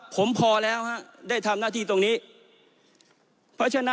ผมมีหน้าที่กันกรอง